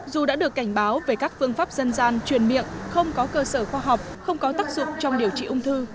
dù đã được cảnh báo về các phương pháp dân gian truyền miệng không có cơ sở khoa học không có tác dụng trong điều trị ung thư